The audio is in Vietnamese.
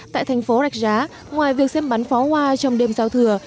tại thành phố rạch giá ngoài việc xem bắn pháo hoa trong đêm giao thừa